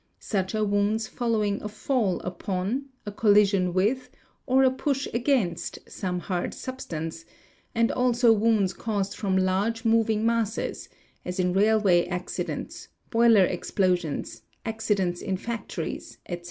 Such are wounds following a fall upon, a collision with, or a push against, some hard substance, and also wounds caused from large moving masses, as in railway accidents, boiler ex plosions, accidents in factories, etc.